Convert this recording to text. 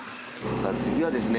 次はですね。